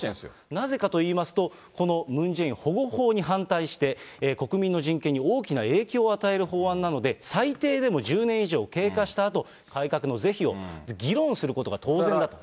なぜかといいますと、このムン・ジェイン保護法に反対して、国民の人権に大きな影響を与える法案なので最低でも１０年以上経過したあと、改革の是非を議論することが当然だと。